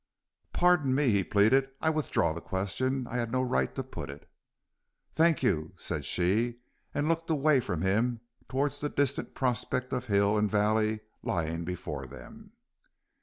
"Pardon me," he pleaded. "I withdraw the question; I had no right to put it." "Thank you," said she, and looked away from him towards the distant prospect of hill and valley lying before them.